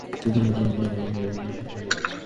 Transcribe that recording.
দুর্ঘটনার আগ পর্যন্ত আমার সবকিছু মনে আছে।